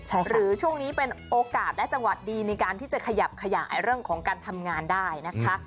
หรือช่วงนี้เป็นโอกาสและจังหวัดดีในการที่จะขยับขยายเรื่องของการทำงานได้นะคะ